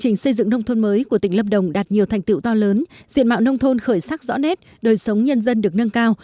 nhiều thành tựu to lớn diện mạo nông thôn khởi sắc rõ nét đời sống nhân dân được nâng cao